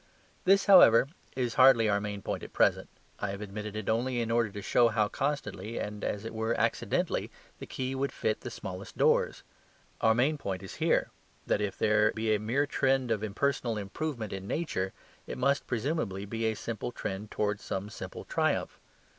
This, however, is hardly our main point at present; I have admitted it only in order to show how constantly, and as it were accidentally, the key would fit the smallest doors. Our main point is here, that if there be a mere trend of impersonal improvement in Nature, it must presumably be a simple trend towards some simple triumph.